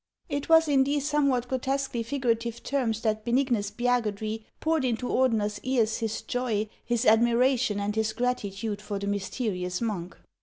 " It was in these somewhat grotesquely figurative terms that Benignus Spiagudry poured into Ordener's ears his joy, his admiration, and his gratitude for the mysterious HANS OF ICELAND. 175 monk.